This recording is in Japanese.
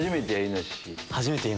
初めて？